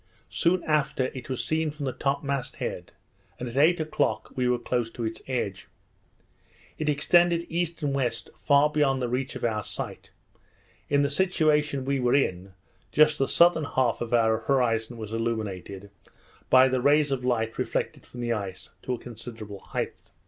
Soon after, it was seen from the top mast head; and at eight o'clock, we were close to its edge. It extended east and west, far beyond the reach of our sight. In the situation we were in, just the southern half of our horizon was illuminated, by the rays of light reflected from the ice, to a considerable height.